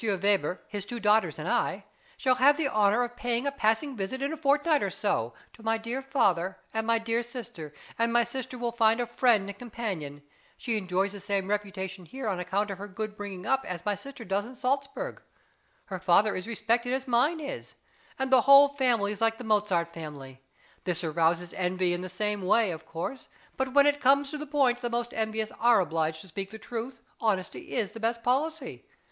Weber, his two daughters and I shall have the honour of paying a passing visit in a fortnight or so, to my dear father and my dear sister, and my sister will find a friend and companion; she enjoys the same reputation here on account of her good bringing up as my sister does in Salzburg; her father is respected as mine is; and the whole family is like the Mozart family. This arouses envy in the same way, of course; but when it comes to the point the most envious are obliged to speak the truth; honesty is the best policy.